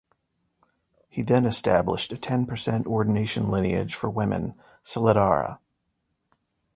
He then established a ten precept ordination lineage for women, "Siladhara".